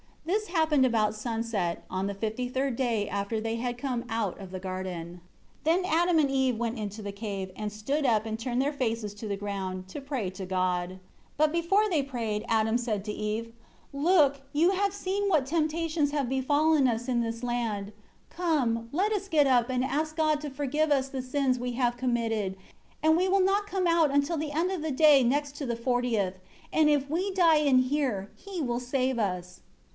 This happened about sunset, on the fifty third day after they had come out of the garden. 3 Then Adam and Eve went into the cave, and stood up and turned their faces to the ground, to pray to God. 4 But before they prayed Adam said to Eve, "Look, you have seen what temptations have befallen us in this land. Come, let us get up, and ask God to forgive us the sins we have committed; and we will not come out until the end of the day next to the fortieth. And if we die in here, He will save us."